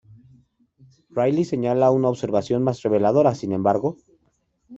Riley señala una observación más reveladora, sin embargo.